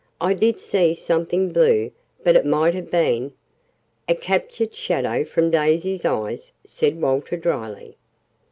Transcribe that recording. I did see something blue, but it might have been " "A captured shadow from Daisy's eyes," said Walter dryly.